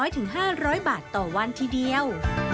๓๐๐ถึง๕๐๐บาทต่อวันทีเดียว